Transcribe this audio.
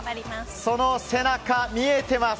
その背中見えています。